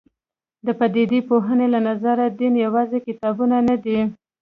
د پدیده پوهنې له نظره دین یوازې کتابونه نه دي.